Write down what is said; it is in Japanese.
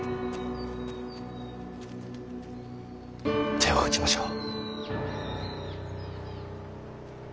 手を打ちましょう。